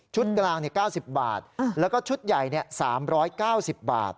กลาง๙๐บาทแล้วก็ชุดใหญ่๓๙๐บาท